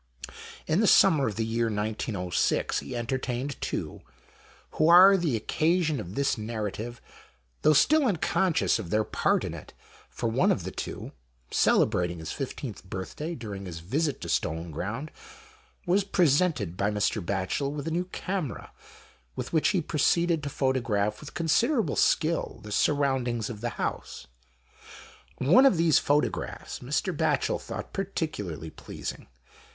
In the summer of the year 1906 he entertained two, who are the occasion of this narrative, though still unconscious of THE MAN WITH THE ROLLER. their part in it, for one of the two, celebrating his 15th birthday during his visit to Stone ground, was presented by Mr. Batchel with a new camera, with which he proceeded to photograph, with considerable skill, the sur roundings of the house. One of these photographs Mr. Batchel thought particularly pleasing.